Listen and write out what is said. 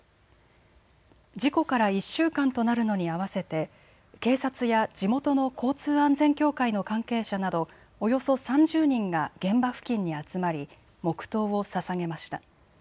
事故から１週間となるのに合わせて警察や地元の交通安全協会の関係者などおよそ３０人が現場付近に集まり黙とうをささげました。